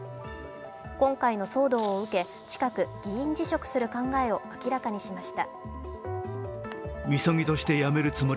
今回の騒動を受け、近く、議員辞職する考えを明らかにしました。